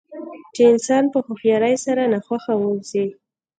چې انسان په هوښیارۍ سره ناخوښه واوسي.